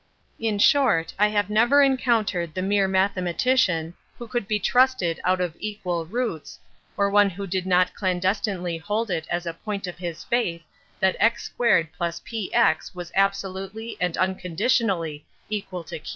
In short, I never yet encountered the mere mathematician who could be trusted out of equal roots, or one who did not clandestinely hold it as a point of his faith that x2+px was absolutely and unconditionally equal to q.